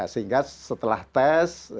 sehingga setelah tes